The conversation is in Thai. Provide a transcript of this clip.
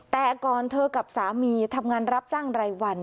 แต่ก่อนเธอกับสามีทำงานรับจ้างรายวัน